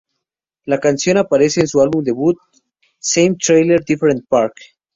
La canción aparece en su álbum debut "Same Trailer Different Park".